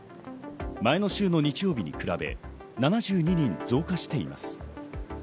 前の週の日曜日に比べ、７２人増加しています。